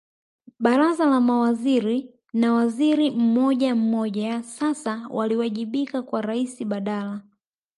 Baraza la Mawaziri na waziri mmojammoja sasa waliwajibika kwa Raisi badala